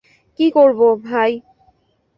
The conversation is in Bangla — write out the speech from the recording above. কী করব ভাই!